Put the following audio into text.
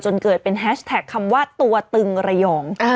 เกิดเป็นแฮชแท็กคำว่าตัวตึงระยอง